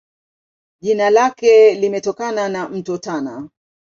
Jina lake limetokana na Mto Tana.